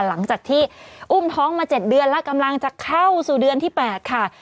หลังจากที่อุ้มท้องมา๗เดือนแล้วกำลังจะเข้าสู่เดือนที่๘ค่ะ